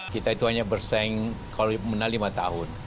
kita itu hanya bersaing kalau menang lima tahun